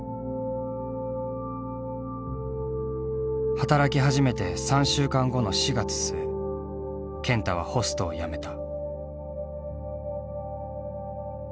働き始めて３週間後の４月末健太はホストを辞めた。